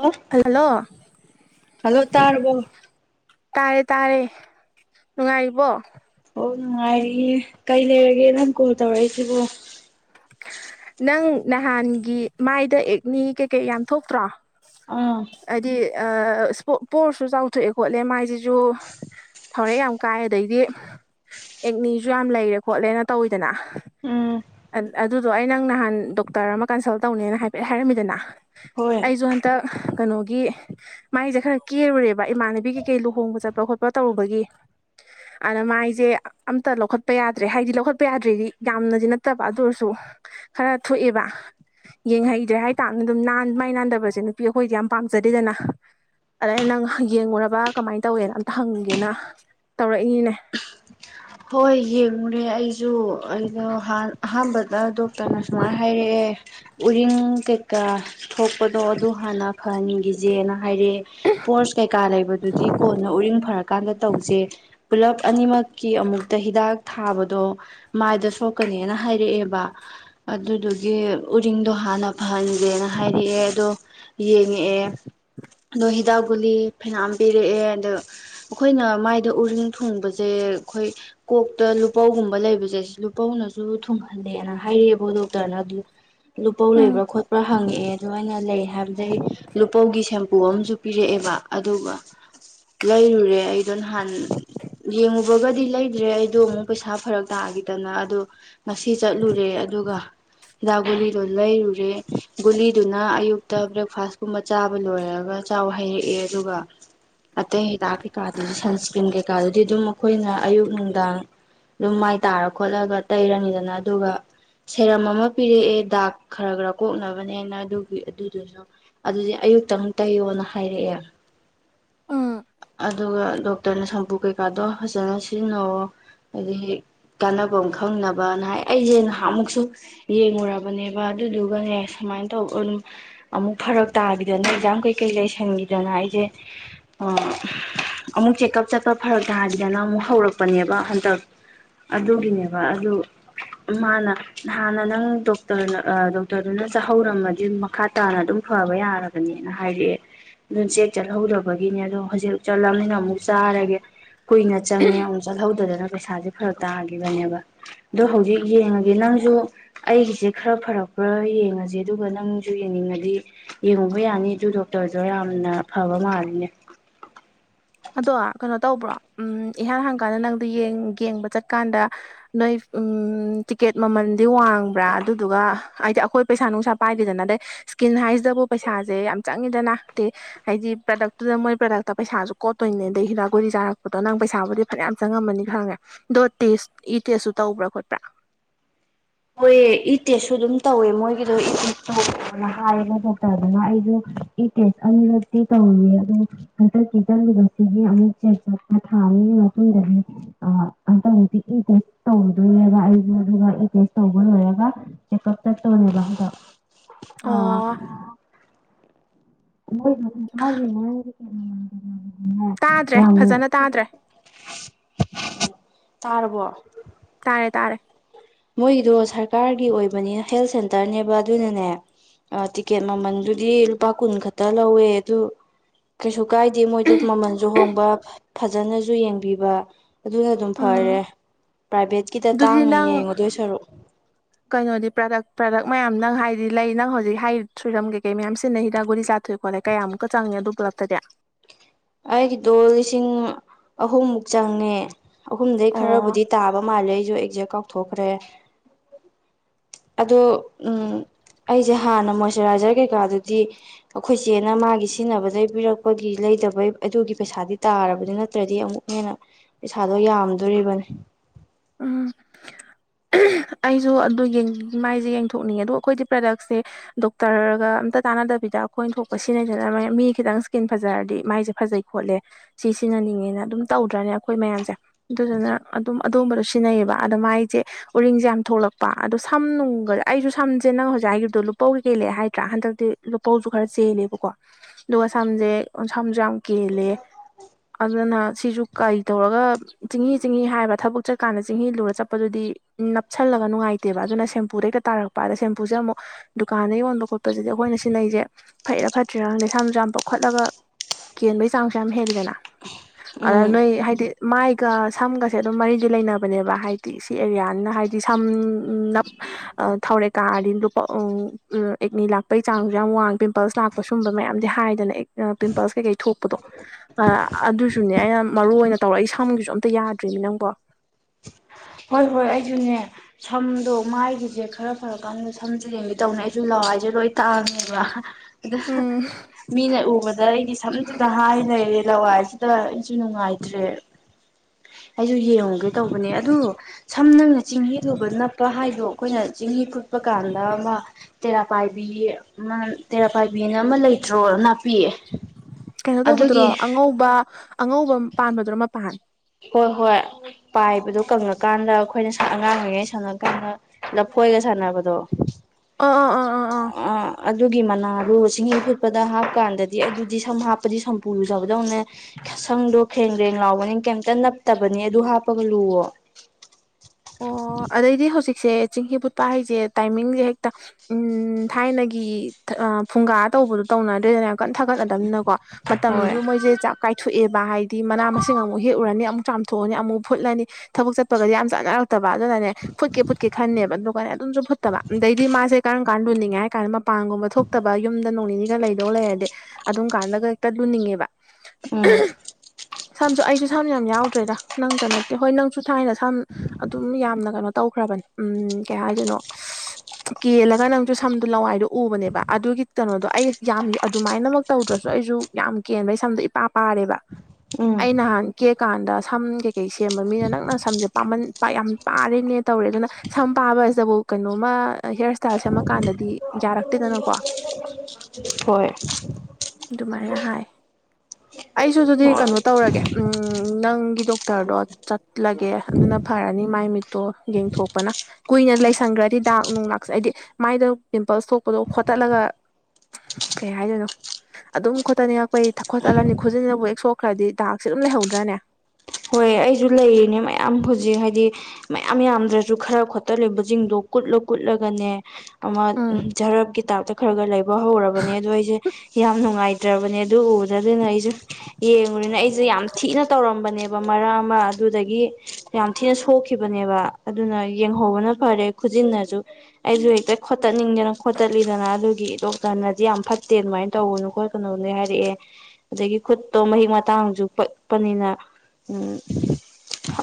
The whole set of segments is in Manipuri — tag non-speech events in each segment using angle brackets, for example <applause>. ꯑꯣ ꯍꯜꯂꯣ ꯍꯜꯂꯣ ꯇꯥꯔꯕꯣ ꯇꯥꯔꯦ ꯇꯥꯔꯦ ꯅꯨꯡꯉꯥꯏꯔꯤꯕꯣ ꯑꯣ ꯅꯨꯡꯉꯥꯏꯔꯤꯌꯦ ꯀꯩ ꯂꯩꯔꯒꯦ ꯅꯪ ꯀꯣꯜ ꯇꯧꯔꯛꯏꯁꯤꯕꯣ ꯅꯪ ꯅꯍꯥꯟꯒꯤ ꯃꯥꯏꯗ ꯑꯦꯛꯅꯤ ꯀꯩꯀꯩ ꯌꯥꯝ ꯊꯣꯛꯇ꯭ꯔꯣ ꯑꯥ ꯗꯤ ꯑ ꯄꯣꯁꯁꯨ ꯆꯥꯎꯊꯣꯛꯑꯦ ꯈꯣꯠꯂꯦ ꯃꯥꯏꯖꯤꯖꯨ ꯊꯥꯎꯔꯦꯛ ꯌꯥꯝ ꯀꯥꯏ ꯑꯗꯩꯗꯤ ꯑꯦꯛꯅꯤꯁꯨ ꯌꯥꯝ ꯂꯩꯔꯦ ꯈꯣꯠꯂꯦꯅ ꯇꯧꯋꯤꯗꯅ ꯎꯝ ꯑꯗꯨꯗꯣ ꯑꯩ ꯅꯪ ꯅꯍꯥꯟ ꯗꯣꯛꯇꯔ ꯑꯃ ꯀꯟꯁꯜ ꯇꯧꯅꯦꯅ ꯍꯥꯏꯐꯦꯠ ꯍꯥꯏꯔꯝꯃꯤꯗꯅ ꯍꯣꯏ ꯑꯩꯁꯨ ꯍꯟ ꯇꯛ ꯀꯩꯅꯣꯒꯤ ꯃꯥꯏꯁꯦ ꯈꯔ ꯀꯦꯔꯨꯔꯦꯕ ꯏꯃꯥꯟꯅꯕꯤ ꯀꯩꯀꯩ ꯂꯨꯍꯣꯡꯕ ꯆꯠꯄ ꯈꯣꯠꯄ ꯇꯧꯔꯨꯕꯒꯤ ꯑꯅ ꯃꯥꯏꯁꯦ ꯑꯝꯇ ꯂꯧꯈꯠꯄ ꯌꯥꯗ꯭ꯔꯦ ꯍꯥꯏꯗꯤ ꯂꯧꯈꯠꯄ ꯌꯥꯗ꯭ꯔꯦꯗꯤ ꯌꯥꯝꯅꯗꯤ ꯅꯠ ꯇꯕ ꯑꯗꯨ ꯑꯣꯏꯔꯁꯨ ꯈꯔ ꯊꯣꯛꯑꯦꯕ ꯌꯦꯡꯍꯩꯗ꯭ꯔꯦ ꯍꯥꯏꯇꯥꯝꯅꯤ ꯑꯗꯨꯝ ꯅꯥꯟ ꯃꯥꯏ ꯅꯥꯟꯗꯕꯁꯦ ꯅꯨꯄꯤ ꯑꯩꯈꯣꯏꯗꯤ ꯌꯥꯝ ꯄꯥꯝꯖꯗꯦꯗꯅ ꯑꯗꯥ ꯑꯩꯅ ꯅꯪ ꯌꯦꯡꯉꯨꯔꯕ ꯀꯃꯥꯏꯅ ꯇꯧꯋꯦꯅ ꯑꯝꯇ ꯍꯪꯒꯦꯅ ꯇꯧꯔꯛꯏꯅꯦ ꯍꯣꯏ ꯌꯦꯡꯉꯨꯔꯦ ꯑꯩꯁꯨ ꯑꯩꯅꯣ ꯍꯥꯟ ꯑꯍꯥꯟꯕ ꯑ ꯗꯣꯛꯇꯔꯅ ꯁꯨꯃꯥꯏꯅ ꯍꯥꯏꯔꯛꯑꯦ ꯎꯔꯤꯡ ꯀꯩꯀꯥ ꯊꯣꯛꯄꯗꯣ ꯑꯗꯨ ꯍꯥꯟꯅ ꯐꯍꯟꯒꯤꯁꯦꯅ ꯍꯥꯏꯔꯛꯑꯦ ꯄꯣꯔꯁ ꯀꯩꯀꯥ ꯂꯩꯕꯗꯨꯗꯤ ꯀꯣꯟꯅ ꯎꯔꯤꯡ ꯐꯔꯀꯥꯟꯗ ꯇꯧꯁꯦ ꯄꯨꯜꯂꯞ ꯑꯅꯤꯃꯛꯀꯤ ꯑꯃꯨꯛꯇ ꯍꯤꯗꯥꯛ ꯊꯥꯕꯗꯣ ꯃꯥꯏꯗ ꯁꯣꯛꯀꯅꯦꯅ ꯍꯥꯏꯔꯛꯑꯦꯕ ꯑꯗꯨꯗꯨꯒꯤ ꯎꯔꯤꯡꯗꯣ ꯍꯥꯟꯅ ꯐꯍꯟꯁꯦꯅ ꯍꯥꯏꯔꯛꯑꯦ ꯑꯗꯣ ꯌꯦꯡꯉꯛꯑꯦ ꯑꯗꯣ ꯍꯤꯗꯥꯛ ꯒꯨꯂꯤ ꯐꯅꯌꯥꯝ ꯄꯤꯔꯛꯑꯦ ꯑꯗꯣ ꯑꯩꯈꯣꯏꯅ ꯃꯥꯏꯗ ꯎꯔꯤꯡ ꯊꯨꯡꯕꯁꯦ ꯑꯩꯈꯣꯏ ꯀꯣꯛꯇ ꯂꯨꯄꯧꯒꯨꯝꯕ ꯂꯩꯕꯁꯦ ꯂꯨꯄꯧꯅꯁꯨ ꯊꯨꯡꯍꯟ ꯂꯦꯅ ꯍꯥꯏꯔꯛꯑꯦꯕꯣ ꯗꯣꯛꯇꯔꯅ ꯑꯗꯨ ꯂꯨꯄꯧ ꯎꯝ ꯂꯩꯕ꯭ꯔꯥ ꯈꯣꯠꯄ꯭ꯔꯥ ꯍꯪꯉꯛꯑꯦ ꯑꯗꯨ ꯑꯩꯅ ꯂꯩ ꯍꯥꯏꯕꯗꯒꯤ ꯂꯨꯄꯧꯒꯤ ꯁꯦꯝꯄꯨ ꯑꯃꯁꯨ ꯄꯤꯔꯛꯑꯦꯕ ꯑꯗꯨꯒ ꯂꯩꯔꯨꯔꯦ ꯑꯩꯗꯣ ꯅꯍꯥꯟ ꯌꯦꯡꯉꯨ ꯌꯦꯡꯉꯨꯕꯒꯗꯤ ꯂꯩꯗ꯭ꯔꯦ ꯑꯩꯗꯣ ꯑꯃꯨꯛ ꯄꯩꯁꯥ ꯐꯔꯛ ꯇꯥꯈꯤꯗꯅ ꯑꯗꯣ ꯉꯁꯤ ꯆꯠꯂꯨꯔꯦ ꯑꯗꯨꯒ ꯍꯤꯗꯥꯛ ꯒꯨꯂꯤꯗꯣ ꯂꯩꯔꯨꯔꯦ ꯒꯨꯂꯤꯗꯨꯅ ꯑꯌꯨꯛꯇ ꯕ꯭ꯔꯦꯛꯐꯥꯁꯀꯨꯝꯕ ꯆꯥꯕ ꯂꯣꯏꯔꯒ ꯆꯥꯎ ꯍꯩꯔꯛꯑꯦ ꯑꯗꯨꯒ ꯑꯇꯩ ꯍꯤꯗꯥꯛ ꯀꯩꯀꯥꯗꯨꯗꯤ ꯁꯟꯁꯀ꯭ꯔꯤꯟ ꯀꯩꯀꯥꯗꯨꯗꯤ ꯑꯗꯨꯝ ꯑꯩꯈꯣꯏꯅ ꯑꯌꯨꯛ ꯅꯨꯡꯗꯥꯡ ꯑꯗꯨꯝ ꯃꯥꯏ ꯇꯥꯔ ꯈꯣꯠꯂꯒ ꯇꯩꯔꯅꯤꯗꯅ ꯑꯗꯨꯒ ꯁꯦꯔꯝ ꯑꯃ ꯄꯤꯔꯛꯑꯦ ꯗꯥꯛ ꯈꯔ ꯈꯔ ꯀꯣꯛꯅꯕꯅꯦꯅ ꯑꯗꯨꯒꯤ ꯑꯗꯨꯗꯨꯁꯨ ꯑꯗꯨꯗꯤ ꯑꯌꯨꯛꯇꯪ ꯇꯩꯌꯣꯅ ꯍꯥꯏꯔꯛꯑꯦ ꯎꯝ ꯑꯗꯨꯒ ꯗꯣꯛꯇꯔꯅ ꯁꯝꯄꯨ ꯀꯩꯀꯥꯗꯣ ꯐꯖꯅ ꯁꯤꯖꯤꯟꯅꯧꯑꯣ ꯍꯥꯏꯗꯤ ꯀꯥꯟꯐꯝ ꯈꯪꯅꯕꯅ ꯍꯥꯏ ꯑꯩꯁꯦ ꯅꯍꯥꯟꯃꯨꯛꯁꯨ ꯌꯦꯡꯉꯨꯔꯕꯅꯦꯕ ꯑꯗꯨꯗꯨꯒꯅꯦ ꯁꯨꯃꯥꯏꯅ ꯇꯧ ꯑꯗꯨꯝ ꯑꯃꯨꯛ ꯐꯔꯛ ꯇꯥꯈꯤꯗꯅ ꯑꯦꯛꯖꯥꯝ ꯀꯩꯀꯩ ꯂꯩꯁꯟꯈꯤꯗꯅ ꯑꯩꯁꯦ ꯑꯃꯨꯛ ꯆꯦꯛꯑꯞ ꯆꯠꯄ ꯐꯔꯛꯛꯇ ꯍꯥꯏꯕꯤꯗꯅ ꯑꯃꯨꯛ ꯍꯧꯔꯛꯄꯅꯦꯕ ꯍꯟꯇꯛ ꯑꯗꯨꯒꯤꯅꯦꯕ ꯑꯗꯨ ꯃꯥꯅ ꯅꯍꯥꯟꯅ ꯅꯪ ꯗꯣꯛꯇꯔꯅ ꯗꯣꯛꯇꯔꯗꯨꯅ ꯆꯥꯍꯧꯔꯝꯃꯗꯤ ꯃꯈꯥ ꯇꯥꯅ ꯑꯗꯨꯝ ꯐꯕ ꯌꯥꯔꯕꯅꯦꯅ ꯍꯥꯏꯔꯛꯑꯦ ꯑꯗꯨꯅ ꯆꯦꯛ ꯆꯠꯍꯧꯗꯕꯒꯤꯅꯦ ꯑꯗꯣ ꯍꯧꯖꯤꯛ ꯆꯠꯂꯕꯅꯤꯅ ꯑꯃꯨꯛ ꯆꯥꯔꯒꯦ ꯀꯨꯏꯅ ꯆꯪꯉꯦ ꯑꯃꯨꯛ ꯆꯠꯍꯧꯗꯗꯅ ꯄꯩꯁꯥꯁꯦ ꯐꯔꯛ ꯇꯥꯈꯤꯕꯅꯦꯕ ꯑꯗꯣ ꯍꯧꯖꯤꯛ ꯌꯦꯡꯉꯒꯦ ꯅꯪꯁꯨ ꯑꯩꯒꯤꯁꯦ ꯈꯔ ꯐꯔꯛꯄ꯭ꯔꯥ ꯌꯦꯡꯉꯁꯦ ꯑꯗꯨꯒ ꯅꯪꯁꯨ ꯌꯦꯡꯅꯤꯡꯉꯗꯤ ꯌꯦꯡꯉꯨꯕ ꯌꯥꯅꯤ ꯑꯗꯨ ꯗꯣꯛꯇꯔꯗꯣ ꯌꯥꯝꯅ ꯐꯕ ꯃꯥꯜꯂꯤꯅꯦ ꯑꯗꯣ ꯀꯩꯅꯣ ꯇꯧꯕ꯭ꯔꯣ ꯎꯝ ꯏꯍꯥꯟ ꯍꯥꯟ ꯀꯥꯟꯗ ꯅꯪꯗꯣ ꯌꯦꯡ ꯌꯦꯡꯕ ꯆꯠꯀꯥꯟꯗ ꯅꯣꯏ ꯇꯤꯀꯦꯠ ꯃꯃꯜꯗꯤ ꯋꯥꯡꯕ꯭ꯔꯥ ꯑꯗꯨꯗꯨꯒ ꯍꯥꯏꯗꯤ ꯑꯩꯈꯣꯏ ꯄꯩꯁꯥ ꯅꯨꯡꯁꯥ ꯄꯥꯏꯗꯦꯗꯅ ꯑꯗꯩ ꯏꯁ꯭ꯀꯤꯟ ꯍꯥꯏꯁꯤꯇꯕꯨ ꯄꯩꯁꯥꯁꯦ ꯌꯥꯝ ꯆꯪꯉꯤꯗ ꯇꯦ ꯍꯥꯏꯗꯤ ꯄ꯭ꯔꯗꯛꯇꯨꯗ ꯃꯣꯏ ꯄ꯭ꯔꯗꯛꯇ ꯄꯩꯁꯥꯁꯨ ꯀꯣꯠꯇꯣꯏꯅꯦ ꯑꯗꯩ ꯍꯤꯗꯥꯛ ꯒꯨꯂꯤ ꯆꯥꯔꯄꯗꯣ ꯅꯪ ꯄꯩꯁꯥꯕꯨꯗꯤ ꯐꯅꯌꯥꯝ ꯆꯪꯉꯝꯃꯅꯤ ꯈꯪꯉꯦ ꯗꯣ ꯇꯦꯁ ꯏ ꯇꯦꯁꯁꯨ ꯇꯧꯕ꯭ꯔꯥ ꯈꯣꯠꯄ꯭ꯔꯥ ꯍꯣꯏꯌꯦ ꯏ ꯇꯦꯁꯁꯨ ꯑꯗꯨꯝ ꯇꯧꯋꯦ ꯃꯣꯏꯒꯤꯗꯣ ꯏ ꯇꯦꯁ ꯇꯧꯒꯅꯣꯅ ꯍꯥꯏꯌꯦꯕ ꯗꯣꯛꯇꯔꯗꯨꯅ ꯑꯩꯁꯨ ꯏꯇꯦꯁ ꯑꯅꯤꯔꯛꯇꯤ ꯇꯧꯔꯨꯔꯦ ꯑꯗꯨ ꯍꯟꯗꯛꯀꯤ ꯆꯠꯂꯨꯕꯁꯤꯒꯤ ꯑꯃꯨꯛ ꯆꯦꯛ ꯆꯠꯄ ꯊꯥ ꯑꯅꯤꯒꯤ ꯃꯇꯨꯡꯗꯗꯤ ꯑ ꯍꯟꯇꯛꯃꯨꯛꯇꯤ ꯏ ꯇꯦꯁ ꯇꯧꯗꯨꯏꯅꯦꯕ ꯑꯩꯖꯨ ꯑꯗꯨꯒ ꯏ ꯇꯦꯁ ꯇꯧꯕ ꯂꯣꯏꯔꯒ ꯆꯦꯛꯑꯞ ꯆꯠꯇꯧꯅꯦꯕ ꯍꯟꯗꯛ ꯑꯣ <unintelligible> ꯇꯥꯗ꯭ꯔꯦ ꯌꯥꯝ ꯐꯖꯅ ꯇꯥꯗ꯭ꯔꯦ <unintelligible> ꯇꯥꯔꯕꯣ ꯇꯥꯔꯦ ꯇꯥꯔꯦ ꯃꯣꯏꯒꯤꯗꯣ ꯁꯔꯀꯥꯔꯒꯤ ꯑꯣꯏꯕꯅꯤ ꯍꯦꯜꯠ ꯁꯦꯟꯇꯔꯅꯦꯕ ꯑꯗꯨꯅꯅꯦ ꯑ ꯇꯤꯛꯀꯦꯠ ꯃꯃꯜꯗꯨꯗꯤ ꯂꯨꯄꯥ ꯀꯨꯟ ꯈꯇ ꯂꯧꯋꯦ ꯑꯗꯨ ꯀꯩꯁꯨ ꯀꯥꯏꯗꯦ ꯃꯣꯏꯗꯨ ꯃꯃꯟꯁꯨ ꯍꯣꯡꯕ ꯐꯖꯅꯁꯨ ꯌꯦꯡꯕꯤꯕ ꯑꯗꯨꯅ ꯑꯗꯨꯝ ꯐꯔꯦ ꯎꯝ ꯄ꯭ꯔꯥꯏꯚꯦꯠꯀꯤꯗ ꯑꯗꯨꯗꯤ ꯇꯥꯡꯅ ꯅꯪ ꯌꯦꯡꯉꯨꯗꯣꯏ ꯁꯔꯨꯛ ꯀꯩꯅꯣꯗꯤ ꯄ꯭ꯔꯗꯛ ꯄ꯭ꯔꯗꯛ ꯃꯌꯥꯝ ꯅꯪ ꯍꯥꯏꯗꯤ ꯂꯩ ꯅꯪ ꯍꯧꯖꯤꯛ ꯍꯥꯏ ꯊ꯭ꯔꯤꯔꯝ ꯀꯩꯀꯩ ꯃꯌꯥꯝ ꯁꯤꯖꯤꯟꯅꯩ ꯍꯤꯗꯥꯛ ꯒꯨꯔꯤ ꯆꯥꯊꯣꯛ ꯄꯔꯩ ꯀꯌꯥꯃꯨꯛꯀ ꯆꯪꯉꯦ ꯑꯗꯨ ꯄꯨꯂꯞꯇꯗꯤ ꯑꯩꯒꯤꯗꯣ ꯂꯤꯁꯤꯡ ꯑꯍꯨꯝꯃꯨꯛ ꯆꯪꯉꯦ ꯑꯍꯨꯝꯗꯩ ꯑꯣ ꯈꯔꯕꯨꯗꯤ ꯇꯥꯕ ꯃꯥꯜꯂꯦ ꯑꯩꯖꯨ ꯑꯦꯛꯖꯦꯛ ꯀꯥꯎꯊꯣꯛꯈ꯭ꯔꯦ ꯑꯗꯣ ꯎꯝ ꯑꯩꯖꯦ ꯍꯥꯟꯅ ꯃꯣꯏꯆꯔꯥꯏꯖꯔ ꯀꯩꯀꯥꯗꯨꯗꯤ ꯑꯩꯈꯣꯏ ꯆꯦꯅ ꯃꯥꯒꯤ ꯁꯤꯖꯤꯟꯅꯕꯗꯩ ꯄꯤꯔꯛꯄꯒꯤ ꯂꯩꯗꯕꯩ ꯑꯗꯨꯒꯤ ꯄꯩꯁꯥꯗꯤ ꯇꯥꯔꯕꯗꯤ ꯅꯠꯇ꯭ꯔꯗꯤ ꯑꯃꯨꯛ ꯍꯦꯟꯅ ꯄꯩꯁꯥꯗꯣ ꯌꯥꯝꯗꯣꯔꯤꯕꯅꯤ ꯎꯝ ꯑꯩꯁꯨ ꯑꯗꯨ ꯌꯦꯡ ꯃꯥꯏꯁꯦ ꯌꯦꯡꯊꯣꯛꯅꯤꯡꯉꯦ ꯑꯗꯣ ꯑꯩꯈꯣꯏꯗꯤ ꯄ꯭ꯔꯗꯛꯁꯦ ꯗꯣꯛꯇꯔꯒ ꯑꯝꯇ ꯇꯥꯟꯅꯗꯕꯤꯗ ꯑꯩꯈꯣꯏꯅ ꯊꯣꯛꯄ ꯁꯤꯖꯤꯟꯅꯩꯗꯅ ꯃꯤ ꯈꯤꯇꯪ ꯏꯁꯀꯤꯟ ꯐꯖꯔꯗꯤ ꯃꯥꯏꯁꯦ ꯐꯖꯩ ꯈꯣꯠꯂꯦ ꯁꯤ ꯁꯤꯖꯤꯟꯅꯅꯤꯡꯉꯦꯅ ꯑꯗꯨꯝ ꯇꯧꯗ꯭ꯔꯅꯦ ꯑꯩꯈꯣꯏ ꯃꯌꯥꯝꯁꯦ ꯑꯗꯨꯗꯨꯅ ꯑꯗꯨꯝ ꯑꯗꯨꯝꯕꯗ ꯁꯤꯟꯅꯩꯌꯦꯕ ꯑꯗꯣ ꯃꯥꯏꯖꯦ ꯎꯔꯤꯡꯁꯦ ꯌꯥꯝ ꯊꯣꯛꯂꯛꯄ ꯑꯗꯣ ꯁꯝ ꯅꯨꯡꯒ ꯑꯩꯁꯨ ꯁꯝꯁꯦ ꯅꯪ ꯍꯧꯖꯤꯛ ꯍꯥꯏꯈꯤꯕꯗꯣ ꯂꯨꯄꯧ ꯀꯩ ꯀꯩ ꯂꯩ ꯍꯥꯏꯗ꯭ꯔꯥ ꯍꯟꯗꯛꯇꯤ ꯂꯨꯄꯧꯁꯨ ꯈꯔ ꯆꯦꯜꯂꯦꯕꯀꯣ ꯑꯗꯨꯒ ꯁꯝꯁꯦ ꯁꯝꯁꯨ ꯌꯥꯝ ꯀꯦꯜꯂꯦ ꯑꯗꯨꯅ ꯁꯤꯁꯨ ꯀꯔꯤ ꯇꯧꯔꯒ ꯆꯤꯡꯍꯤ ꯆꯤꯡꯍꯤ ꯍꯥꯏꯕ ꯊꯕꯛ ꯆꯠ ꯀꯥꯟꯗ ꯆꯤꯡꯍꯤ ꯂꯨꯔ ꯆꯠꯄꯗꯨꯗꯤ ꯅꯞꯁꯜꯂꯒ ꯅꯨꯡꯉꯥꯏꯇꯦꯕ ꯑꯗꯨꯅ ꯁꯦꯝꯄꯨꯗ ꯍꯦꯛꯇ ꯇꯥꯔꯛꯄ ꯑꯗ ꯁꯦꯝꯄꯨꯁꯦ ꯑꯃꯨꯛ ꯗꯨꯀꯥꯟꯗ ꯌꯣꯟꯕ ꯈꯣꯠꯄꯁꯤꯗꯤ ꯑꯩꯈꯣꯏꯅ ꯁꯤꯟꯅꯩꯁꯦ ꯐꯩꯔꯥ ꯐꯠꯇ꯭ꯔꯤꯔ ꯈꯪꯗꯦ ꯁꯝꯖꯦ ꯌꯥꯝ ꯄꯧꯈꯠꯂꯒ ꯀꯦꯟꯕꯩ ꯆꯥꯡꯁꯨ ꯌꯥꯝ ꯍꯦꯜꯂꯤꯗꯅ ꯑꯗ ꯎꯝ ꯅꯣꯏ ꯍꯥꯏꯗꯤ ꯃꯥꯏꯒ ꯁꯝꯒꯁꯦ ꯑꯗꯨꯝ ꯃꯔꯤ ꯗꯤ ꯂꯩꯅꯕꯅꯦꯕ ꯍꯥꯏꯗꯤ ꯁꯤ ꯑꯦꯔꯤꯌꯥꯅꯤꯅ ꯍꯥꯏꯗꯤ ꯁꯝ ꯅꯞ ꯑ ꯊꯥꯎꯔꯦꯛ ꯀꯥꯔꯗꯤ ꯂꯨꯄꯧ ꯎꯝ ꯑꯦꯛꯅꯤ ꯂꯥꯛꯄꯩ ꯆꯥꯡꯁꯨ ꯌꯥꯝ ꯋꯥꯡꯏ ꯄꯤꯝꯄꯜꯁ ꯂꯥꯛ ꯑꯁꯨꯝꯕ ꯃꯌꯥꯝꯗꯤ ꯍꯥꯏꯗꯅ ꯑꯦ ꯑ ꯄꯤꯝꯄꯜꯁ ꯀꯩꯀꯩ ꯊꯣꯛꯄꯗꯣ ꯑ ꯑꯗꯨꯁꯨꯅꯦ ꯑꯩꯅ ꯃꯔꯨ ꯑꯣꯏꯅ ꯇꯧꯔꯛꯏ ꯁꯝꯒꯤꯁꯨ ꯑꯝꯇ ꯌꯥꯗ꯭ꯔꯦꯃꯤ ꯅꯪꯕꯣ ꯍꯣꯏ ꯍꯣꯏ ꯑꯩꯁꯨꯅꯦ ꯁꯝꯗꯣ ꯃꯥꯏꯒꯤꯁꯦ ꯈꯔ ꯐꯔꯀꯥꯟꯗ ꯁꯝꯖꯦ ꯌꯦꯡꯒꯦ ꯇꯧꯅꯦ ꯑꯩꯁꯨ ꯂꯋꯥꯏꯁꯦ ꯂꯣꯏ ꯇꯥꯡꯉꯦꯕ ꯎꯝ <unintelligible> ꯃꯤꯅ ꯎꯕꯗ ꯑꯩꯒꯤ ꯁꯝꯖꯤꯇ ꯍꯥꯏ ꯂꯩꯔꯦ ꯂꯋꯥꯏꯁꯤꯗ ꯑꯩꯁꯨ ꯅꯨꯡꯉꯥꯏꯇ꯭ꯔꯦ ꯑꯩꯁꯨ ꯌꯦꯡꯉꯨꯒꯦ ꯇꯧꯕꯅꯦ ꯑꯗꯨ ꯁꯝ ꯅꯪꯅ ꯆꯤꯡꯍꯤꯂꯨꯕ ꯅꯞꯄ ꯍꯥꯏꯗꯣ ꯈꯣꯏꯅ ꯆꯤꯡꯍꯤ ꯐꯨꯠꯄ ꯀꯥꯟꯗ ꯑꯃ ꯇꯦꯔꯥ ꯄꯥꯏꯕꯤ ꯑꯃ ꯇꯦꯔꯥ ꯄꯥꯏꯕꯤꯅ ꯑꯃ ꯂꯩꯇ꯭ꯔꯣ ꯅꯥꯄꯤ ꯀꯩꯅꯣ ꯑꯗꯨꯒꯤ ꯇꯧꯕꯗꯨꯔꯣ ꯑꯉꯧꯕ ꯑꯉꯧꯕ ꯄꯥꯟꯕꯗꯨꯔꯣ ꯃꯄꯥꯟ ꯍꯣꯏ ꯍꯣꯏ ꯄꯥꯏꯕꯗꯣ ꯀꯪꯉꯀꯥꯟꯗ ꯑꯩꯈꯣꯏꯅ ꯁ ꯑꯉꯥꯡ ꯑꯣꯏꯔꯤꯉꯩ ꯁꯪꯉꯀꯥꯟꯗ ꯂꯐꯣꯏꯒ ꯁꯥꯟꯅꯕꯗꯣ ꯑꯥ ꯑꯥ ꯑꯥ ꯑꯥ ꯑꯥ ꯑ ꯑꯗꯨꯒꯤ ꯃꯅꯥꯗꯨ ꯆꯤꯡꯍꯤ ꯐꯨꯠꯄꯗ ꯍꯥꯞꯀꯥꯟꯗꯗꯤ ꯑꯗꯨꯗꯤ ꯁꯝ ꯍꯥꯞꯄꯗꯤ ꯁꯝꯄꯨ ꯂꯨꯖꯕꯗꯧꯅꯦ ꯁꯪꯗꯣ ꯈ꯭ꯔꯦꯡꯗ꯭ꯔꯦꯡ ꯂꯥꯎꯕꯅꯤ ꯀꯩꯝꯇ ꯅꯞꯇꯕꯅꯤ ꯑꯗꯨ ꯍꯥꯞꯄꯒ ꯂꯨꯑꯣ ꯑꯣ ꯑꯗꯩꯗꯤ ꯍꯧꯖꯤꯛꯁꯦ ꯆꯦꯡꯍꯤ ꯐꯨꯠꯄ ꯍꯥꯏꯁꯦ ꯇꯥꯏꯃꯤꯡꯁꯦ ꯍꯦꯛꯇ ꯎꯝ ꯊꯥꯏꯅꯒꯤ ꯑ ꯐꯨꯡꯒꯥ ꯇꯧꯕꯗꯣ ꯇꯧꯅꯗ꯭ꯔꯦꯗꯅ ꯌꯥꯝ ꯀꯟꯅ ꯊꯥꯒꯠꯅꯗꯕꯅꯤꯅ ꯀꯣ ꯍꯣꯏ ꯃꯇꯝꯁꯨ ꯃꯣꯏꯁꯦ ꯆꯥꯛ ꯀꯥꯏꯊꯣꯛꯑꯦꯕ ꯍꯥꯏꯗꯤ ꯃꯅꯥ ꯃꯁꯤꯡ ꯑꯃꯨꯛ ꯍꯦꯛꯎꯔꯅꯤ ꯑꯃꯨꯛ ꯆꯥꯝꯊꯣꯛꯑꯅꯤ ꯑꯃꯨꯛ ꯐꯨꯠꯂꯅꯤ ꯊꯕꯛ ꯆꯠꯄꯒꯁꯦ ꯌꯥꯝ ꯆꯥꯟꯅꯔꯛ ꯐꯨꯠꯇꯕ ꯑꯗꯨꯅꯅꯦ ꯐꯨꯠꯀꯦ ꯐꯨꯠꯀꯦ ꯈꯟꯅꯦꯕ ꯑꯗꯨꯒꯅꯦ ꯑꯗꯨꯝꯁꯨ ꯐꯨꯠꯇꯕ ꯑꯗꯩꯗꯤ ꯃꯥꯁꯦ ꯀꯔꯝ ꯀꯥꯟꯗ ꯂꯨꯜꯂꯤꯅꯤꯡꯉꯦ ꯍꯥꯏ ꯀꯥꯟꯗ ꯃꯄꯥꯟꯒꯨꯝꯕ ꯊꯣꯛꯇꯕ ꯌꯨꯝꯗ ꯅꯣꯡ ꯅꯤꯅꯤꯒ ꯂꯩꯗꯧ ꯂꯩꯔꯗꯤ ꯑꯗꯨꯝ ꯀꯥꯟꯗꯒ ꯍꯦꯛꯇ ꯂꯨꯅꯤꯡꯉꯦꯕ ꯎꯝ ꯁꯝꯁꯨ ꯑꯩꯁꯨ ꯁꯝ ꯌꯥꯝ ꯌꯥꯎꯗ꯭ꯔꯦꯗ ꯅꯪꯇ ꯅꯠꯇꯦ ꯍꯣꯏ ꯅꯪꯁꯨ ꯊꯥꯏꯅ ꯁꯝ ꯑꯗꯨꯝ ꯌꯥꯝ ꯅꯀꯩꯅꯣ ꯇꯧꯈ꯭ꯔꯕꯅꯦ ꯎꯝ ꯀꯩ ꯍꯥꯏꯗꯣꯏꯅꯣ ꯀꯦꯜꯂꯒ ꯅꯪꯁꯨ ꯁꯝꯗꯣ ꯂꯋꯥꯏꯗꯣ ꯎꯕꯅꯦꯕ ꯑꯗꯨꯒꯤ ꯀꯩꯅꯣꯗꯣ ꯑꯩ ꯌꯥꯝ ꯑꯗꯨꯃꯥꯏꯅꯃꯛ ꯇꯧꯗ꯭ꯔꯁꯨ ꯑꯩꯁꯨ ꯌꯥꯝ ꯀꯦꯟꯕꯩ ꯁꯝꯗꯣ ꯏꯄꯥ ꯄꯥꯔꯦꯕ ꯎꯝ ꯑꯩ ꯅꯍꯥꯟ ꯀꯦꯛ ꯀꯥꯟꯗ ꯁꯝ ꯀꯩꯀꯩ ꯁꯦꯝꯕ ꯃꯤꯅ ꯅꯪꯅ ꯁꯝꯁꯦ ꯄꯥꯝꯃꯟ ꯌꯥꯝ ꯄꯥꯔꯦꯅꯦ ꯇꯧꯔꯦ ꯑꯗꯨꯅ ꯁꯝ ꯄꯥꯕꯕꯁꯤꯗꯕꯨ ꯀꯩꯅꯣꯃ ꯍꯤꯌꯔ ꯏꯁ꯭ꯇꯥꯏꯜ ꯁꯦꯝꯃꯀꯥꯟꯗꯗꯤ ꯌꯥꯔꯛꯇꯦꯗꯅꯀꯣ <unintelligible> ꯍꯣꯏ ꯑꯗꯨꯃꯥꯏꯅ ꯍꯥꯏ ꯑꯩꯁꯨ ꯑꯗꯨꯗꯤ ꯀꯩꯅꯣ ꯇꯧꯔꯒꯦ ꯎꯝ ꯅꯪꯒꯤ ꯗꯣꯛꯇꯔꯗꯣ ꯆꯠꯂꯒꯦ ꯑꯗꯨꯅ ꯐꯔꯅꯤ ꯃꯥꯏ ꯃꯤꯠꯇꯣ ꯌꯦꯡꯊꯣꯛꯄꯅ ꯀꯨꯏꯅ ꯂꯩꯁꯟꯈ꯭ꯔꯗꯤ ꯗꯥꯛ ꯅꯨꯡ ꯂꯥꯛꯁ ꯍꯥꯏꯗꯤ ꯃꯥꯏꯗ ꯄꯤꯝꯄꯜꯁ ꯊꯣꯛꯄꯗꯣ ꯈꯣꯠꯇꯠꯂꯒ ꯀꯩ ꯍꯥꯏꯗꯨꯅꯣ ꯑꯗꯨꯝ ꯈꯣꯠꯇꯠ ꯅꯤꯛꯉꯛꯄꯩ ꯈꯣꯠꯇꯠꯂꯅꯤ ꯈꯨꯖꯤꯟꯁꯤꯅꯕꯨ ꯍꯦꯛ ꯁꯣꯛꯈ꯭ꯔꯗꯤ ꯗꯛꯁꯦ ꯑꯗꯨꯝ ꯂꯩꯍꯧꯗ꯭ꯔꯅꯦ ꯍꯣꯏ ꯑꯩꯁꯨ ꯂꯩꯔꯤꯅꯦ ꯃꯌꯥꯝ ꯍꯧꯖꯤꯛ ꯍꯥꯏꯗꯤ ꯃꯌꯥꯝ ꯌꯥꯝꯗ꯭ꯔꯁꯨ ꯈꯔ ꯈꯣꯠꯇꯠ ꯂꯩꯕꯁꯤꯡꯗꯣ ꯀꯨꯠꯂ ꯀꯨꯠꯂꯒꯅꯦ ꯑꯃ ꯎꯝ ꯖꯔꯞꯀꯤ ꯇꯥꯏꯞꯇ ꯈꯔ ꯈꯔ ꯂꯩꯕ ꯍꯧꯔꯕꯅꯦ ꯑꯗꯣ ꯑꯩꯁꯦ ꯌꯥꯝ ꯅꯨꯡꯉꯥꯏ ꯎꯠꯇ꯭ꯔꯕꯅꯦ ꯑꯗꯨ ꯎꯗ꯭ꯔꯗꯅ ꯑꯩꯁꯨ ꯌꯦꯡꯉꯨꯔꯤꯅ ꯑꯩꯁꯦ ꯌꯥꯝ ꯊꯤꯅ ꯇꯧꯔꯝꯕꯅꯦꯕ ꯃꯔꯛ ꯑꯃ ꯑꯗꯨꯗꯒꯤ ꯌꯥꯝ ꯊꯤꯅ ꯁꯣꯛꯈꯤꯕꯅꯦꯕ ꯑꯗꯨꯅ ꯌꯦꯡꯍꯧꯕꯅ ꯐꯔꯦ ꯈꯨꯖꯤꯟꯅꯁꯨ ꯑꯩꯁꯨ ꯍꯦꯛꯇ ꯈꯣꯠꯇꯠꯅꯤꯡꯗꯦꯅ ꯈꯣꯠꯇꯠꯂꯤꯗꯅ ꯑꯗꯨꯒꯤ ꯗꯣꯛꯇꯅꯗꯤ ꯌꯥꯝ ꯐꯠꯇꯦ ꯑꯗꯨꯃꯥꯏꯅ ꯇꯧꯕꯅꯨ ꯈꯣꯠ ꯀꯩꯅꯣꯅꯦ ꯍꯥꯏꯔꯛꯑꯦ ꯑꯗꯨꯗꯒꯤ ꯈꯨꯠꯇꯣ ꯃꯍꯤꯛ ꯃꯇꯥꯡꯁꯨ ꯄꯛꯄꯅꯤꯅ ꯎꯝ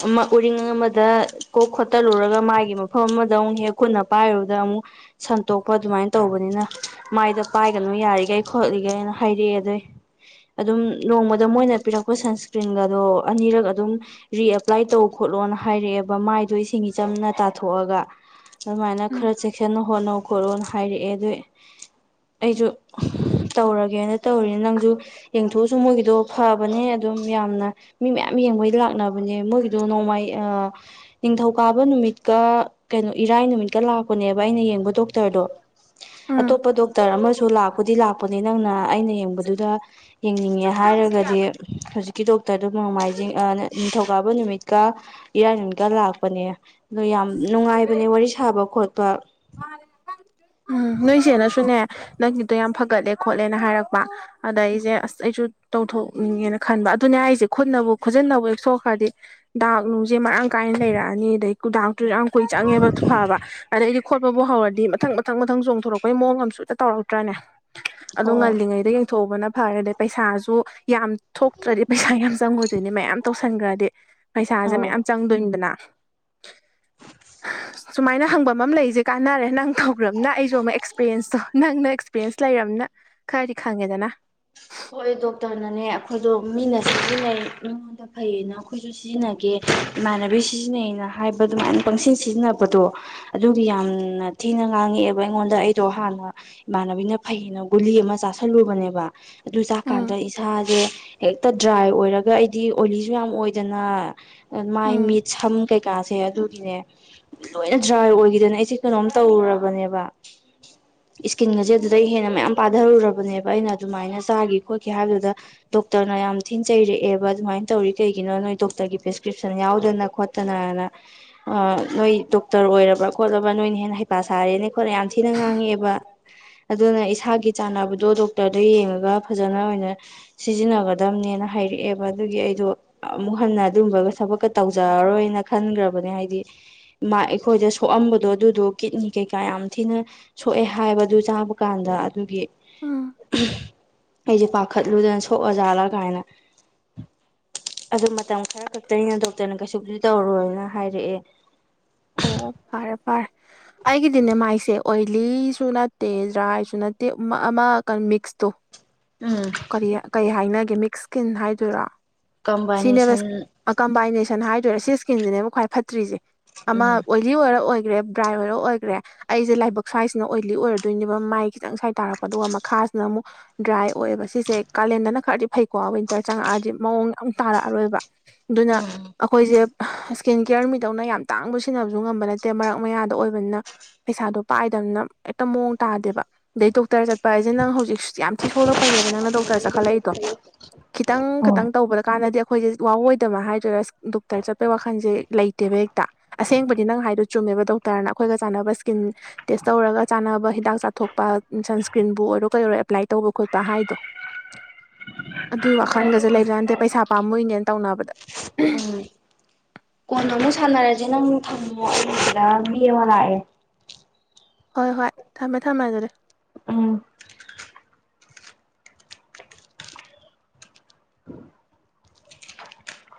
ꯑꯃ ꯎꯔꯤꯡ ꯑꯃꯗ ꯀꯣꯛ ꯈꯣꯠꯇꯂꯨꯔꯒ ꯃꯥꯒꯤ ꯃꯐꯝ ꯑꯃꯗ ꯑꯃꯨꯛ ꯍꯦꯛ ꯈꯨꯠꯅ ꯄꯥꯏꯔꯨꯕꯗ ꯑꯃꯨꯛ ꯁꯟꯇꯣꯛꯄ ꯑꯗꯨꯃꯥꯏꯟ ꯇꯧꯕꯅꯤꯅ ꯃꯥꯏꯗ ꯄꯥꯏꯒꯅꯨ ꯌꯥꯔꯤꯈꯩ ꯈꯣꯠꯂꯤꯒꯩꯅ ꯍꯥꯏꯔꯛꯑꯦ ꯑꯗꯨꯏ ꯑꯗꯨꯝ ꯅꯣꯡꯃꯗ ꯃꯣꯏꯅ ꯄꯤꯔꯛꯄ ꯁꯟꯁ ꯏꯁꯔꯤꯒꯗꯣ ꯑꯅꯤꯔꯛ ꯑꯗꯨꯝ ꯔꯤꯑꯄ꯭ꯂꯥꯏ ꯇꯧ ꯈꯣꯠꯂꯣꯅ ꯍꯥꯏꯔꯛꯑꯦꯕ ꯃꯥꯏ ꯑꯗꯨ ꯏꯁꯤꯡꯆꯝꯅ ꯇꯥꯊꯣꯛꯑꯒ ꯑꯗꯨꯃꯥꯏꯅ ꯈꯔ ꯆꯦꯛ ꯄꯦꯛꯁꯟꯅ ꯍꯣꯠꯅꯧ ꯈꯣꯠꯂꯣꯅ ꯍꯥꯏꯔꯛꯑꯦ ꯑꯗꯨꯏ ꯑꯩꯁꯨ ꯇꯧꯔꯒꯦꯅ ꯇꯧꯔꯤꯅꯤ ꯅꯪꯁꯨ ꯌꯦꯡꯊꯣꯛꯎꯆꯣ ꯃꯣꯏꯒꯤꯗꯣ ꯐꯕꯅꯦ ꯑꯗꯨꯝ ꯌꯥꯝꯅ ꯃꯤ ꯃꯌꯥꯝ ꯌꯦꯡꯕꯩꯗ ꯂꯥꯛꯅꯕꯅꯦ ꯃꯣꯏꯒꯤꯗꯣ ꯅꯣꯡꯃꯥꯏ ꯑ ꯅꯤꯡꯊꯧꯀꯥꯕ ꯅꯨꯃꯤꯠꯀ ꯀꯩꯅꯣ ꯏꯔꯥꯏ ꯅꯨꯃꯤꯠꯀ ꯂꯥꯛꯄꯅꯦꯕ ꯑꯩꯅ ꯌꯦꯡꯕ ꯗꯣꯛꯇꯔꯗꯣ ꯎꯝ ꯑꯇꯣꯞꯄ ꯗꯣꯛꯇꯔ ꯑꯃꯁꯨ ꯂꯥꯛꯄꯨꯗꯤ ꯂꯥꯛꯄꯅꯦ ꯅꯪꯅ ꯑꯩꯅ ꯌꯦꯡꯕꯗꯨꯗ ꯌꯦꯡꯅꯤꯡꯉꯦ ꯍꯥꯏꯔꯒꯗꯤ ꯍꯧꯖꯤꯛꯀꯤ ꯗꯣꯛꯇꯔ ꯅꯣꯡꯃꯥꯏꯖꯤꯡ ꯑꯥ ꯅꯤꯡꯊꯧꯀꯥꯕ ꯅꯨꯃꯤꯠꯀ ꯏꯔꯥꯏ ꯅꯨꯃꯤꯠꯀ ꯂꯥꯛꯄꯅꯦ ꯗꯣ ꯌꯥꯝ ꯅꯨꯡꯉꯥꯏꯕꯅꯦ ꯋꯥꯔꯤ ꯁꯥꯕ ꯈꯣꯠꯄ ꯎꯝ ꯅꯣꯏꯁꯦꯅꯁꯨꯅꯦ ꯅꯪꯒꯤꯗꯣ ꯌꯥꯝ ꯐꯒꯠꯂꯦ ꯈꯣꯠꯂꯦꯅ ꯍꯥꯏꯔꯛꯄ ꯑꯗ ꯑꯩꯖꯦ ꯑꯁ ꯑꯩꯖꯨ ꯇꯧꯊꯣꯛꯅꯤꯡꯉꯦꯅ ꯈꯟꯕ ꯑꯗꯨꯅꯦ ꯍꯥꯏꯖꯦ ꯈꯨꯠꯅꯕꯨ ꯈꯨꯠꯖꯤꯟꯅꯕꯨ ꯍꯦꯛ ꯁꯣꯛꯈ꯭ꯔꯗꯤ ꯗꯥꯛ ꯅꯨꯡꯖꯦ ꯃꯔꯥꯡ ꯀꯥꯏꯅ ꯂꯩꯔꯛꯑꯅꯤ ꯑꯗꯩ ꯀꯨꯗꯥ ꯇꯨ ꯌꯥꯝ ꯀꯨꯏ ꯆꯪꯉꯦꯕ ꯐꯕ ꯑꯗꯩꯗꯤ ꯈꯣꯠꯄꯕꯨ ꯍꯧꯔꯗꯤ ꯃꯊꯪ ꯃꯊꯪ ꯃꯊꯪ ꯆꯣꯡꯊꯣꯔꯛꯄꯒꯤ ꯃꯑꯣꯡ ꯑꯃꯁꯨ ꯇꯧꯔꯛꯇ꯭ꯔꯥꯅꯦ ꯑꯗꯣ ꯍꯣꯏ ꯉꯜꯂꯤꯉꯩꯗ ꯌꯦꯡꯊꯣꯛꯎꯕꯅ ꯐꯔꯦꯗ ꯄꯩꯁꯥꯁꯨ ꯌꯥꯝ ꯊꯣꯛꯇ꯭ꯔꯗꯤ ꯄꯩꯁꯥ ꯌꯥꯝ ꯆꯪꯉꯣꯏꯗꯣꯏꯅꯦ ꯃꯌꯥꯝ ꯇꯧꯁꯟꯈ꯭ꯔꯗꯤ ꯄꯩꯁꯥꯖꯦ ꯑꯧ ꯃꯌꯥꯝ ꯆꯪꯗꯣꯏꯅꯤꯗꯅ ꯁꯨꯃꯥꯏꯅ ꯍꯪꯐꯝ ꯑꯃ ꯂꯩꯖꯦ ꯀꯥꯟꯅꯔꯦ ꯅꯪ ꯎ꯭ꯔꯔꯕꯅ ꯑꯩꯁꯨ ꯑꯃꯨꯛ ꯑꯦꯛꯁꯄꯤꯔꯌꯦꯦꯟꯁꯇꯣ ꯅꯪꯅ ꯑꯦꯛꯁꯄꯤꯔꯌꯦꯦꯟꯁ ꯂꯩꯔꯕꯝꯅ ꯈꯔꯗꯤ ꯈꯪꯉꯦꯗꯅ ꯍꯣꯏ ꯗꯣꯛꯇꯔꯅꯅꯦ ꯑꯩꯈꯣꯏꯗꯣ ꯃꯤꯅ ꯁꯤꯖꯤꯟꯅꯩ ꯃꯤꯉꯣꯟꯗ ꯐꯩꯌꯦꯅ ꯑꯩꯈꯣꯏꯁꯨ ꯁꯤꯖꯤꯟꯅꯒꯦ ꯏꯃꯥꯟꯅꯕꯤ ꯁꯤꯖꯤꯟꯅꯩꯩꯅ ꯍꯥꯏꯕ ꯑꯗꯨꯃꯥꯏꯅ ꯄꯪꯁꯤꯟ ꯁꯤꯖꯤꯟꯅꯕꯗꯣ ꯑꯗꯨꯒꯤ ꯌꯥꯝꯅ ꯊꯤꯅ ꯉꯥꯡꯉꯛꯑꯦꯕ ꯑꯩꯉꯣꯟꯗ ꯑꯩꯗꯣ ꯍꯥꯟꯅ ꯏꯃꯥꯟꯅꯕꯤꯅ ꯐꯩꯌꯦꯅ ꯒꯨꯂꯤ ꯑꯃ ꯆꯥꯥꯁꯜꯂꯨꯕꯅꯦꯕ ꯑꯗꯨ ꯆꯥꯛꯀꯥꯟꯗ ꯎꯝ ꯏꯁꯥꯖꯦ ꯍꯦꯛꯇ ꯗ꯭ꯔꯥꯏ ꯑꯣꯏꯔꯒ ꯑꯩꯗꯤ ꯑꯣꯂꯤꯁꯖꯨ ꯌꯥꯝ ꯑꯣꯏꯗꯅ ꯃꯥꯏ ꯎꯝ ꯃꯤꯠꯁꯝ ꯀꯩꯀꯥꯁꯦ ꯑꯗꯨꯒꯤꯅꯦ ꯂꯣꯏꯅ ꯗ꯭ꯔꯥꯏ ꯑꯣꯏꯒꯤꯗꯅ ꯑꯩꯁꯦ ꯀꯩꯅꯣꯝ ꯇꯧꯔꯨꯔꯕꯅꯦꯕ ꯏꯁꯀꯤꯟꯒꯁꯦ ꯑꯗꯨꯗꯩ ꯍꯦꯟꯅ ꯃꯌꯥꯝ ꯄꯥꯗꯔꯨꯔꯕꯅꯦꯕ ꯑꯩꯅ ꯑꯗꯨꯃꯥꯏꯅ ꯆꯥꯒꯤ ꯈꯣꯠꯀꯤ ꯍꯥꯏꯕꯗꯨꯗ ꯗꯣꯛꯇꯔꯅ ꯌꯥꯝ ꯊꯤꯟꯆꯩꯔꯛꯑꯦꯕ ꯑꯗꯨꯃꯥꯏꯅ ꯇꯧꯔꯤ ꯀꯩꯒꯤꯅꯣ ꯅꯣꯏ ꯗꯣꯛꯇꯔꯒꯤ ꯄ꯭ꯔꯦꯁꯀ꯭ꯔꯤꯞꯁꯟ ꯌꯥꯎꯗꯅ ꯈꯣ ꯇꯅꯥꯅ ꯑꯥ ꯅꯣꯏ ꯗꯣꯛꯇꯔ ꯑꯣꯏꯔꯕ ꯈꯣꯠꯂꯕꯥ ꯅꯣꯏꯅ ꯍꯦꯟꯅ ꯍꯩꯄ ꯁꯥꯔꯦꯅ ꯈꯣꯠꯂꯦ ꯌꯥꯝ ꯊꯤꯅ ꯉꯥꯡꯉꯛꯑꯦꯕ <inaudible> ꯑꯗꯨꯅ ꯏꯁꯥꯒꯤ ꯆꯥꯟꯅꯕꯗꯣ ꯗꯣꯛꯇꯔꯗ ꯌꯦꯡꯉꯒ ꯐꯖꯅ ꯑꯣꯏꯅ ꯁꯤꯖꯤꯟꯅꯒꯗꯝꯅꯦꯅ ꯍꯥꯏꯔꯛꯑꯦꯕ ꯑꯗꯨꯒꯤ ꯑꯩꯗꯣ ꯑꯃꯨꯛ ꯍꯟꯅ ꯑꯗꯨꯝꯕ ꯊꯕꯛꯀ ꯇꯧꯖꯔꯔꯣꯏꯅ ꯈꯟꯒꯔꯕꯅꯦ ꯍꯥꯏꯗꯤ ꯃꯥ ꯑꯩꯈꯣꯏꯗ ꯁꯣꯛꯑꯝꯕꯗꯣ ꯑꯗꯨꯗꯣ ꯀꯤꯠꯅꯤ ꯀꯩꯀꯥ ꯌꯥꯝ ꯊꯤꯅ ꯁꯣꯛꯑꯦ ꯍꯥꯏꯕꯗꯨ ꯆꯥꯕ ꯀꯥꯟꯗ ꯑꯗꯨꯒꯤ ꯎꯝ ꯑꯩꯖꯦ ꯄꯥꯈꯠꯂꯨꯗꯅ ꯁꯣꯛꯑꯖꯥꯠꯂ ꯀꯥꯏꯅ ꯑꯗ ꯃꯇꯝ ꯈꯔ ꯈꯛꯇꯅꯤꯅ ꯗꯣꯛꯇꯔꯅ ꯀꯩꯁꯨꯕꯨꯗꯤ ꯇꯧꯔꯣꯏꯅ ꯍꯥꯏꯔꯛꯑꯦ ꯑꯣ ꯐꯔꯦ ꯐꯔꯦ ꯑꯩꯒꯤꯗꯤꯅꯦ ꯃꯥꯏꯁꯦ ꯑꯣꯏꯂꯤꯁꯨ ꯅꯠꯇꯦ ꯗ꯭ꯔꯥꯏꯁꯨ ꯅꯠꯇꯦ ꯑꯃ ꯀ ꯃꯤꯛꯁꯇꯣ ꯎꯝ ꯀꯔꯤ ꯀꯔꯤ ꯍꯥꯏꯅꯒꯦ ꯃꯤꯛꯁ ꯁꯀꯤꯟ ꯍꯥꯏꯗꯨꯏꯔꯣ ꯁꯤꯅꯦꯕ ꯀꯝꯕꯥꯏꯅꯦꯁꯟ ꯀꯝꯕꯥꯏꯅꯦꯁꯟ ꯍꯥꯏꯗꯣꯏꯔꯥ ꯁꯤ ꯁ꯭ꯀꯤꯟꯖꯤꯅꯦꯕ ꯈ꯭ꯋꯥꯏ ꯐꯠꯇ꯭ꯔꯤꯖꯦ ꯑꯃ ꯎꯝ ꯑꯣꯏꯂꯤ ꯑꯣꯏꯔ ꯑꯣꯏꯒ꯭ꯔꯦ ꯗꯔꯥꯏ ꯑꯣꯏꯔ ꯑꯣꯏꯒ꯭ꯔꯦ ꯑꯩꯖꯦ ꯂꯥꯏꯕꯛ ꯁ꯭ꯋꯥꯏꯁꯤꯅ ꯑꯣꯏꯂꯤ ꯑꯣꯏꯔꯗꯣꯏꯅꯦꯕ ꯃꯥꯏ ꯈꯤꯇꯪ ꯁ꯭ꯋꯥꯏ ꯇꯥꯔꯛꯄ ꯑꯗꯨꯒ ꯃꯈꯥꯁꯤꯅ ꯑꯃꯨꯛ ꯗ꯭ꯔꯥꯏ ꯑꯣꯏꯑꯦꯕ ꯁꯤꯁꯦ ꯀꯥꯂꯦꯟꯗꯅ ꯈꯔꯗꯤ ꯐꯩꯀꯣ ꯋꯤꯟꯇꯔ ꯆꯪꯉꯛꯑꯗꯤ ꯃꯑꯣꯡ ꯌꯥꯝ ꯇꯥꯔꯛꯑꯔꯣꯏꯕ ꯗꯨꯅ ꯎꯝ ꯑꯈꯣꯏꯖꯦ ꯏꯁꯀꯤꯟ ꯀꯤꯌꯔ ꯃꯤꯗꯧꯅ ꯌꯥꯝ ꯇꯥꯡꯕ ꯁꯥꯟꯅꯕ ꯖꯨꯠ ꯉꯝꯕ ꯅꯠꯇꯦ ꯃꯔꯛ ꯃꯌꯥꯗ ꯑꯣꯏꯕꯅꯤꯅ ꯄꯩꯁꯥꯗꯣ ꯄꯥꯏꯗꯕꯅ ꯍꯦꯛꯇ ꯃꯑꯣꯡ ꯇꯥꯗꯦꯕ ꯑꯗꯩ ꯗꯣꯛꯇꯔ ꯆꯠ ꯄ ꯍꯥꯏꯖꯦ ꯅꯪ ꯍꯧꯖꯤꯛ ꯌꯥꯝ ꯊꯤ ꯁꯣꯛꯂꯛꯄꯩꯅꯦꯕ ꯅꯪꯅ ꯗꯣꯛꯇꯔ ꯆꯠꯈꯠꯂꯛꯏꯗꯣ ꯈꯤꯇꯪ ꯎꯝ ꯈꯇꯪ ꯇꯧꯕꯗ ꯀꯥꯟꯗꯗꯤ ꯑꯩꯈꯣꯏꯖꯦ ꯋꯥꯑꯣꯏꯗꯕ ꯍꯥꯏꯗꯣꯏꯔꯥ ꯗꯣꯛꯇꯔ ꯆꯠꯄꯒꯤ ꯋꯥꯈꯜꯖꯦ ꯂꯩꯇꯦꯕ ꯍꯦꯛ ꯇ ꯑꯁꯦꯡꯕꯗꯤ ꯅꯪ ꯍꯥꯏꯗꯣ ꯆꯨꯝꯃꯦꯕ ꯗꯣꯛꯇꯔꯅ ꯑꯩꯈꯣꯏꯒ ꯆꯥꯟꯅꯕ ꯁ꯭ꯀꯤꯟ ꯇꯦꯁ ꯇꯧꯔꯒ ꯆꯥꯅꯕ ꯍꯤꯗꯥꯛ ꯆꯥꯊꯣꯛꯄ ꯁꯟꯁꯀ꯭ꯔꯤꯟꯕꯨ ꯑꯣꯏꯔꯣ ꯀꯩ ꯑꯣꯏꯔꯣ ꯑꯦꯄ꯭ꯂꯥꯏ ꯇꯧꯕ ꯈꯣꯠꯄ ꯍꯥꯏꯗꯣ ꯑꯗꯨꯏ ꯋꯥꯈꯜꯒꯖꯦ ꯂꯩꯕꯖꯥꯠ ꯅꯠꯇꯦ ꯄꯩꯁꯥ ꯄꯥꯝꯃꯨꯏꯅꯦꯅ ꯇꯧꯅꯕꯗ ꯀꯣꯟꯅ ꯑꯃꯨꯛ ꯁꯥꯟꯅꯔꯖꯦ ꯅꯪ ꯊꯝꯃꯣ ꯑꯩ ꯁꯤꯗ ꯃꯤ ꯑꯃ ꯂꯥꯛꯑꯦ ꯍꯣꯏ ꯍꯣꯏ ꯊꯝꯃꯦ ꯊꯝꯃꯦ ꯑꯗꯨꯗꯤ ꯎꯝ ꯎ